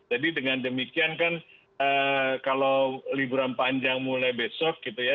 jadi dengan demikian kan kalau liburan panjang mulai besok gitu ya